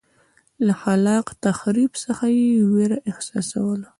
له خلاق تخریب څخه یې وېره احساسوله.